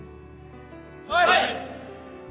はい！